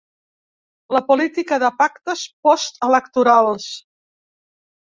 La política de pactes post-electorals.